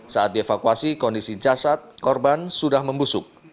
saat dievakuasi kondisi jasad korban sudah membusuk